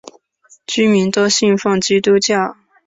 居民多信奉基督教。